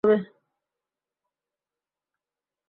আসলে, তারা খুশি হবে।